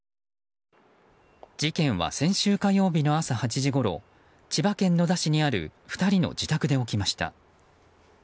事件は先週火曜日の朝８時ごろ千葉県野田市にある２人の自宅で起きました。